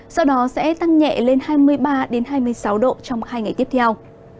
sau đó sẽ tăng nhẹ lên hai mươi ba hai mươi sáu độ trong hai ngày tiếp theo